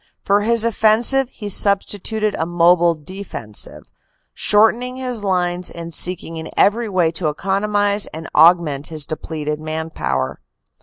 For his offensive he substituted a mobile defensive, shortening his lines and seeking in every way to economize and augment his depleted man power.